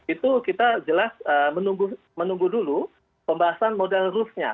itu kita jelas menunggu dulu pembahasan model rules nya